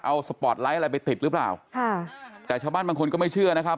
เอาสปอร์ตไลท์อะไรไปติดหรือเปล่าค่ะแต่ชาวบ้านบางคนก็ไม่เชื่อนะครับ